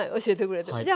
教えてくれて。